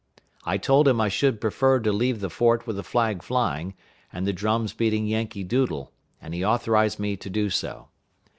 I told him I should prefer to leave the fort with the flag flying, and the drums beating Yankee Doodle, and he authorized me to do so.